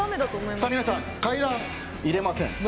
皆さん階段、入れません。